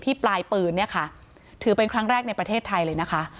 ปลายปืนเนี่ยค่ะถือเป็นครั้งแรกในประเทศไทยเลยนะคะ